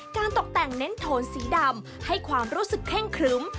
ตกแต่งเน้นโทนสีดำให้ความรู้สึกเคร่งครึ้ม